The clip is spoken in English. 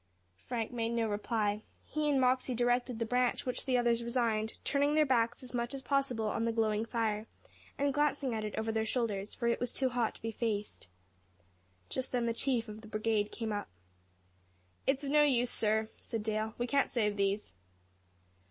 Frank made no reply. He and Moxey directed the branch which the others resigned, turning their backs as much as possible on the glowing fire, and glancing at it over their shoulders; for it was too hot to be faced. Just then the Chief of the brigade came up. "It's of no use, sir," said Dale; "we can't save these."